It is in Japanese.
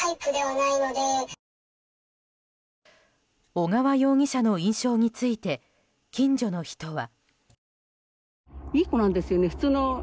小川容疑者の印象について近所の人は。